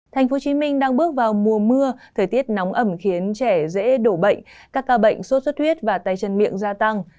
thành phố hồ chí minh đang bước vào mùa mưa thời tiết nóng ẩm khiến trẻ dễ đổ bệnh các ca bệnh sốt xuất huyết và tay chân miệng gia tăng